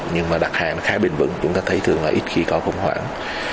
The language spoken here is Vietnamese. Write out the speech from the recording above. nhưng mà đặt hàng nó khá bình vẩn chúng ta thấy thường là ít khi có khủng hoảng